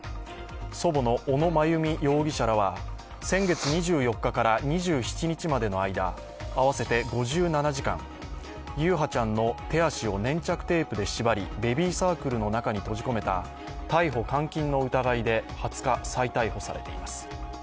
祖母の小野真由美容疑者らは、先月２４日から２７日までの間、合わせて５７時間、優陽ちゃんの手足を粘着テープで縛りベビーサークルの中に閉じ込めた逮捕監禁の疑いで２０日、再逮捕されています。